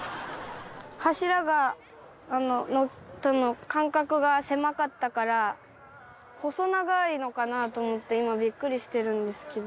柱との間隔が狭かったから細長いのかなと思って今ビックリしてるんですけど。